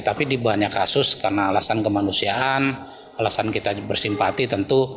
tapi di banyak kasus karena alasan kemanusiaan alasan kita bersimpati tentu